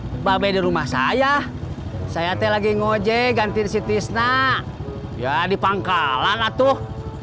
mbak be di rumah saya saya tadi lagi ngejek gantiin si tisna ya di pangkalan lah tuh